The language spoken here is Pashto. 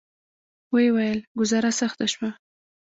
ویې ویل: ګوزاره سخته شوه.